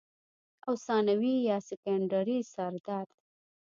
او ثانوي يا سيکنډري سردرد